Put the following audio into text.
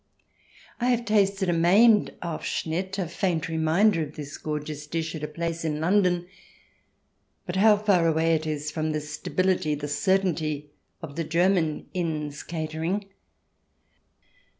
I have tasted a maimed Aufschnitt — a faint reminder of this gorgeous dish — at a place in London ; but how far away it is from the stability, the certainty, of the German inn's catering